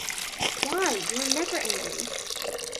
Why, you are never angry!